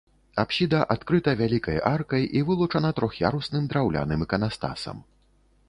Апсіда адкрыта вялікай аркай і вылучана трох'ярусным драўляным іканастасам.